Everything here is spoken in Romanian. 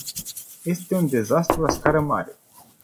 Este un dezastru la scară mare.